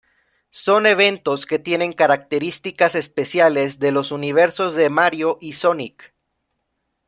Son eventos que tienen características especiales de los universos de Mario y Sonic.